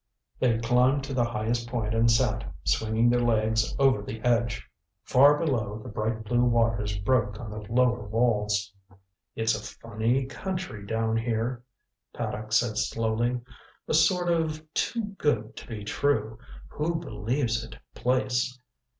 They climbed to the highest point and sat, swinging their legs over the edge. Far below the bright blue waters broke on the lower walls. "It's a funny country down here," Paddock said slowly. "A sort of too good to be true, who believes it place.